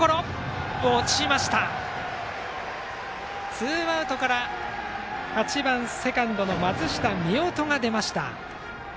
ツーアウトから８番セカンド、松下水音が出ました。